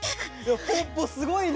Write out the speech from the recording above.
ポッポすごいね。